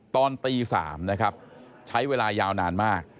ตอนตี๓นะครับใช้เวลายาวนานมาก